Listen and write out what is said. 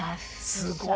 すごい！